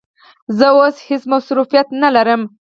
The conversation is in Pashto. زه اوس هیڅ مصروفیت نه لرم.